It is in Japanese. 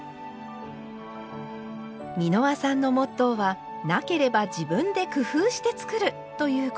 美濃羽さんのモットーは「なければ自分で工夫して作る」ということ。